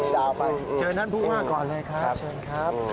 ดาวไปเชิญท่านผู้ว่าก่อนเลยครับเชิญครับ